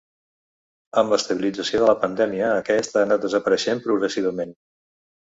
Amb l’estabilització de la pandèmia, aquest ha anat desapareixent progressivament.